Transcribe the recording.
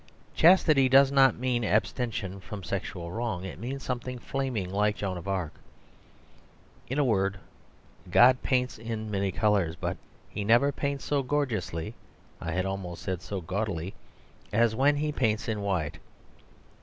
Chastity does not mean abstention from sexual wrong; it means something flaming, like Joan of Arc. In a word, God paints in many colours; but He never paints so gorgeously, I had almost said so gaudily, as when He paints in white.